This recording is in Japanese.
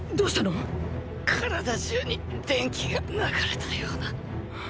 体中に電気が流れたような。